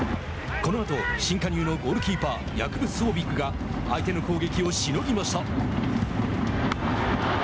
このあと新加入のゴールキーパーヤクブ・スウォビィクが相手の攻撃をしのぎました。